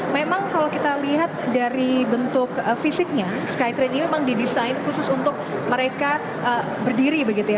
memang kalau kita lihat dari bentuk fisiknya skytrain ini memang didesain khusus untuk mereka berdiri begitu ya